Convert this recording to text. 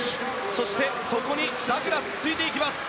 そしてそこにダグラスが続いていきます。